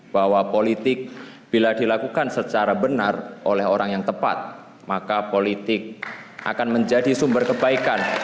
bahwa politik bila dilakukan secara benar oleh orang yang tepat maka politik akan menjadi sumber kebaikan